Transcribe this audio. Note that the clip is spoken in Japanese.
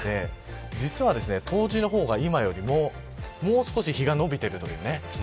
実は、冬至の方が今よりももう少し日が延びてくるんです。